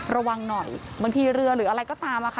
ระวังหน่อยเหมือนที่เรือหรืออะไรก็ตามค่ะ